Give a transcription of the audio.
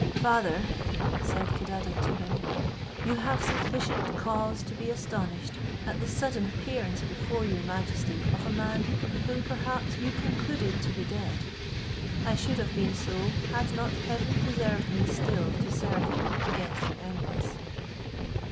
"Father," said Codadad to him, "you have sufficient cause to be astonished at the sudden appearance before your majesty of a man, whom perhaps you concluded to be dead. I should have been so had not heaven preserved me still to serve you against your enemies."